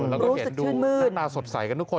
แล้วก็เห็นดูหน้าตาสดใสกันทุกคน